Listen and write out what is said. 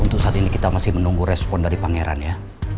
untuk saat ini kita masih menunggu respon dari pangeran ya